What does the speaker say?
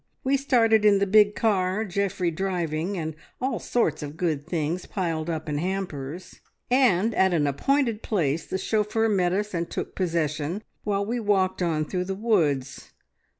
We started in the big car, Geoffrey driving, and all sorts of good things piled up in hampers, and at an appointed place the chauffeur met us and took possession, while we walked on through the woods.